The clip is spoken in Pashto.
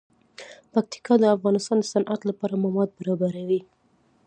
پکتیکا د افغانستان د صنعت لپاره مواد برابروي.